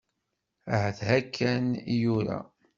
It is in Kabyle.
Ahat akken i yura.